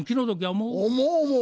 思う思う。